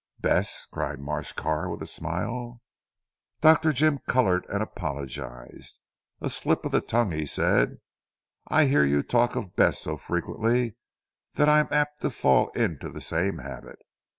"Bess!" cried Marsh Carr with a smile. Dr. Jim coloured and apologised. "A slip of the tongue," he said, "I hear you talk of Bess so frequently that I am apt to fall into the same habit.